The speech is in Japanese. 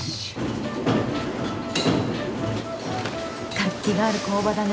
活気がある工場だね。